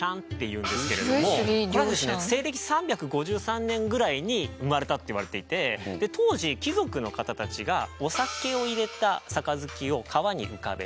これはですね西暦３５３年ぐらいに生まれたっていわれていて当時貴族の方たちがお酒を入れた杯を川に浮かべて流すんですね。